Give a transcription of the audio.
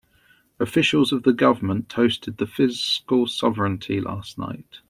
Officials of the government toasted the fiscal sovereignty last night.